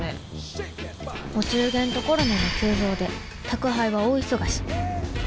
お中元とコロナの急増で宅配は大忙し。